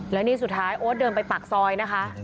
และนี่สุดท้ายโอ๊ตเดินไปปากซอยนะคะ